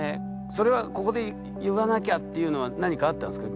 それはここで言わなきゃっていうのは何かあったんですか？